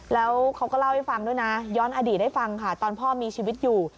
แล้วเขาก็เล่าให้ฟังด้วยนะย้อนอดีตให้ฟังค่ะตอนพ่อมีชีวิตอยู่